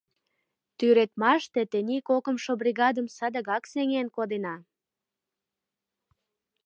Тӱредмаште тений кокымшо бригадым садыгак сеҥен кодена!..»